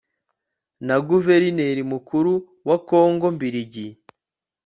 na guverinieri mukuru wa kongo mbiligi